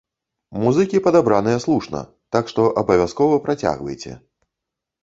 Музыкі падабраныя слушна, так што абавязкова працягвайце!